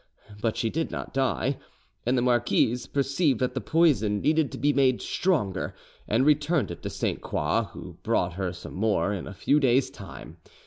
But she did not die, and the marquise perceived that the poison needed to be made stronger, and returned it to Sainte Croix, who brought her some more in a few days' time.